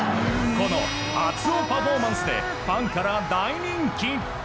この熱男パフォーマンスでファンから大人気。